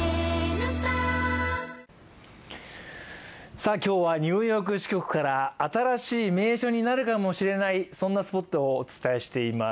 さあ、今日はニューヨーク支局から新しい名所になるかもしれないそんなスポットをお伝えしています。